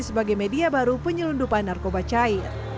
sebagai media baru penyelundupan narkobanku